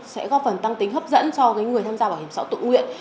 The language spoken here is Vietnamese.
sẽ góp phần tăng tính hấp dẫn cho người tham gia bảo hiểm xã hội tự nguyện